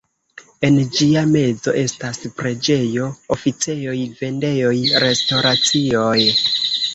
En ĝia mezo estas preĝejo, oficejoj, vendejoj, restoracioj.